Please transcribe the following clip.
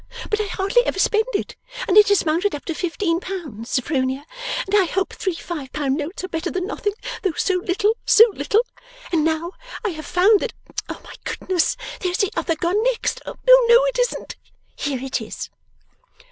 but I hardly ever spend it and it has mounted up to fifteen pounds, Sophronia, and I hope three five pound notes are better than nothing, though so little, so little! And now I have found that oh, my goodness! there's the other gone next! Oh no, it isn't, here it is!